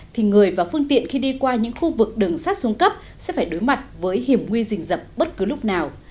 thì người và phương tiện khi đi qua những khu vực đường sát xuống cấp sẽ phải đối mặt với hiểm nguy dình dập bất cứ lúc nào